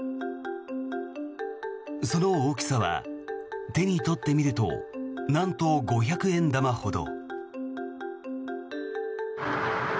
その大きさは手に取ってみるとなんと五百円玉ほど。